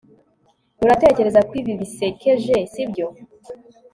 uratekereza ko ibi bisekeje, sibyo